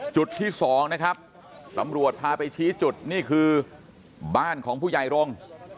จุดที่สองนะครับตำรวจพาไปชี้จุดนี่คือบ้านของผู้ใหญ่รงค์